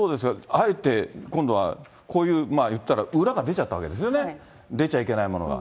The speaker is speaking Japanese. あえて今度は、こういう、いったら、裏が出ちゃったわけですよね、出ちゃいけないものが。